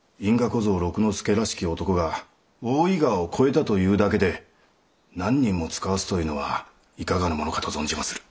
小僧六之助らしき男が大井川を越えたというだけで何人も遣わすというのはいかがなものかと存じまする。